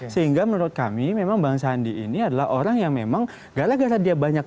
sehingga menurut kami memang bang sandi ini adalah orang yang memang gara gara dia banyak